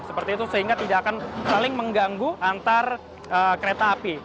seperti itu sehingga tidak akan saling mengganggu antar kereta api